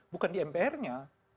bukan di mpr nya